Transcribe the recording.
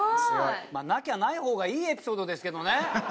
なきゃないほうがいいエピソードですけどね。